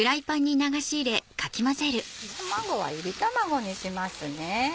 卵は炒り卵にします。